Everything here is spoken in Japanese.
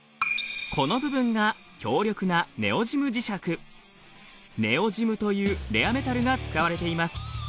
この部分が強力なネオジム磁石ネオジムというレアメタルが使われています。